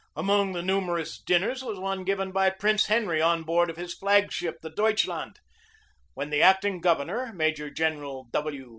Among the numerous dinners was one given by Prince Henry on board of his flag ship, the Deutschland, when the acting gov ernor, Major General W.